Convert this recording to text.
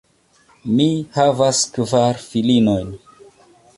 Mi havas kvar filinojn.